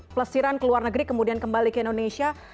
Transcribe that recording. pelesiran ke luar negeri kemudian kembali ke indonesia